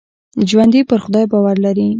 ژوندي پر خدای باور لري